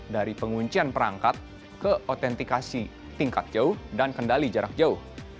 dari penguncian perangkat ke autentikasi tingkat jauh dan kendali jarak jauh